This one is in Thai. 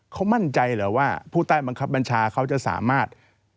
เขามั่นใจเหรอว่าผู้ใต้บังคับบัญชาเขาจะสามารถ